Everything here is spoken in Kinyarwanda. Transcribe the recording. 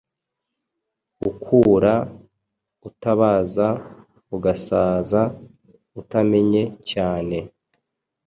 Ukura utabaza ugasaza utamenye cyane.”